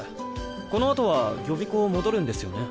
このあとは予備校戻るんですよね。